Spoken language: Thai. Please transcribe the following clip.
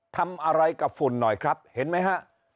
ทำอะไรกับฝุ่นหน่อยครับเห็นไหมฮะ